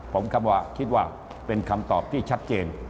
ผมคิดว่าเป็นคำตอบที่ชัดเจน